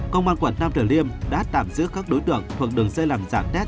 công an quận nam tử liêm đã tạm giữ các đối tượng thuộc đường xây làm giảm test